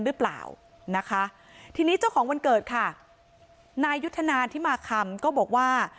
หรือเปล่านะคะทีนี้เจ้าของวันเกิดค่ะนายยุทธนาที่มาคำก็บอกว่า